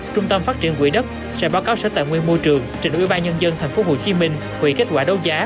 trung tâm phát triển quỹ đất sẽ báo cáo sở tài nguyên môi trường trình ủy ban nhân dân tp hcm hủy kết quả đấu giá